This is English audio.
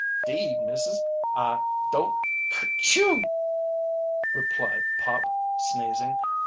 "Deed, missus, I don't ker chew!" replied Pop, sneezing.